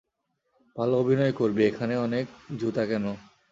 ভালো অভিনয় করবি এখানে অনেক জুতা কেন?